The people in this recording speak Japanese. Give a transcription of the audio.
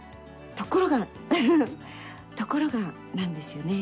ところが、ところがなんですよね。